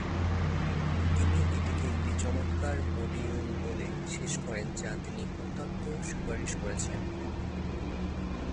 তিনি এটিকে একটি "চমৎকার মডিউল" বলে শেষ করেন যা তিনি "অত্যন্ত সুপারিশ করেছেন"।